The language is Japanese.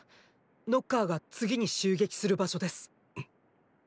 ノッカーが次に襲撃する場所です。